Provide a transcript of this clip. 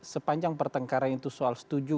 sepanjang pertengkaran itu soal setuju